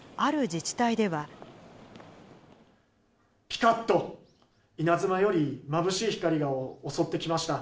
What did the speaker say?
ぴかっと、稲妻よりまぶしい光が襲ってきました。